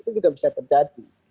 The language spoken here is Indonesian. itu juga bisa terjadi